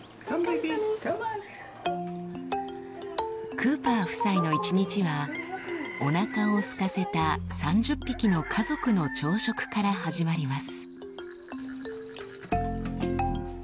・クーパー夫妻の一日はおなかをすかせた３０匹の家族の朝食から始まります。